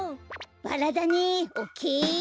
バラだねオッケー！